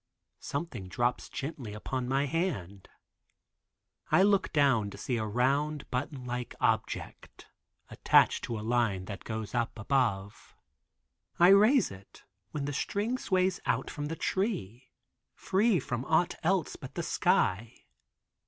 Something drops gently upon my hand. I look down to see a round button like object attached to a line that goes up above. I raise it, when the string sways out from the tree, free from aught else but the sky.